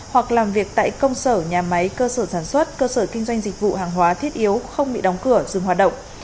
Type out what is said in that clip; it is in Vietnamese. hoặc làm việc tại công sở nhà máy cơ sở sản xuất cơ sở kinh doanh dịch vụ hàng hóa thiết yếu không bị đóng cửa dừng hoạt động